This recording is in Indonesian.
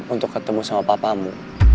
untuk ketemu sama papamu